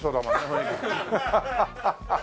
ハハハハハ！